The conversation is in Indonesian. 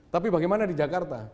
tapi bagaimana di jakarta